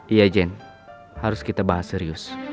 iya jen harus kita bahas serius